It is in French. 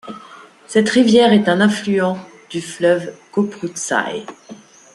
Cette rivière est un affluent du fleuve Köprüçay.